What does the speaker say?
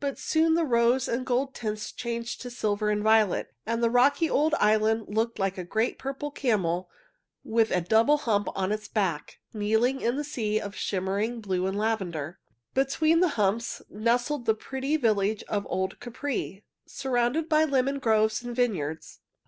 But soon the rose and golden tints changed to silver and violet, and the rocky old island looked like a great purple camel with a double hump on its back, kneeling in a sea of shimmering blue and lavender. Between the humps nestled the pretty village of old Capri, surrounded by lemon groves and vineyards.